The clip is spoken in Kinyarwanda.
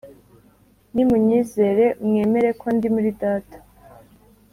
Nimunyizere mwemere ko ndi muri Data